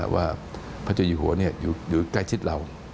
ว่าพระเจ้าอยู่หัวอยู่ใกล้ชิดเรา